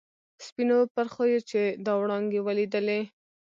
سپینو پرخو چې دا وړانګې ولیدلي.